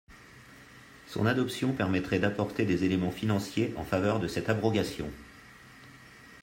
Son adoption permettrait d’apporter des éléments financiers en faveur de cette abrogation.